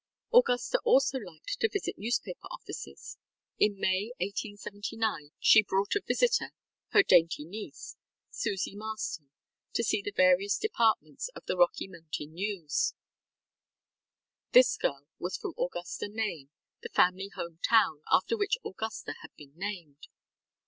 Augusta also liked to visit newspaper offices. In May, 1879, she brought a visitor, ŌĆ£her dainty niece, ŌĆØ Suzie Marston, to see the various departments of the Rocky Mountain News. This girl was from Augusta, Maine, the family home town, after which Augusta had been named.